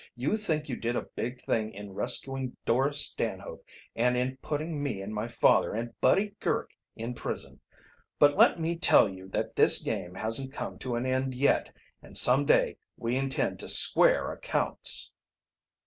"You think you did a big thing in rescuing Dora Stanhope and in putting me and my father and Buddy Girk in prison. But let me tell you that this game hasn't come to an end yet, and some day we intend to square accounts."